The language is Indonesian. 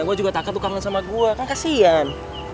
biar kayak orang pacaran